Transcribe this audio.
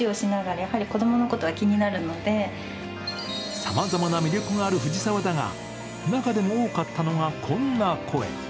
さまざまな魅力がある藤沢だが、中でも多かったのがこんな声。